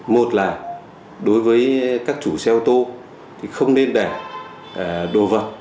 một là đối với các chủ xe ô tô thì không nên đẻ đồ vật